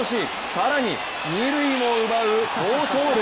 更に二塁も奪う好走塁。